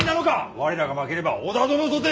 我らが負ければ織田殿とて！